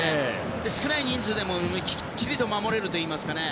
少ない人数でもきっちりと守れるといいますか。